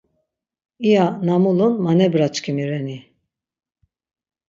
İya na mulun manebraçkimi reni?